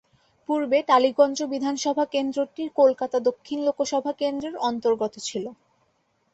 পূর্বে টালিগঞ্জ বিধানসভা কেন্দ্রটি কলকাতা দক্ষিণ লোকসভা কেন্দ্রের অন্তর্গত ছিল।